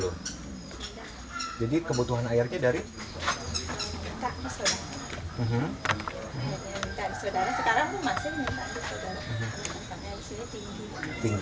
dari saudara sekarang rumah saya ini tempat air di sini tinggi